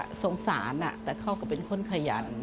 ก็สงสารแต่เขาก็เป็นคนขยัน